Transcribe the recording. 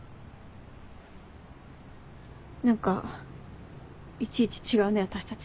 何かいちいち違うね私たち。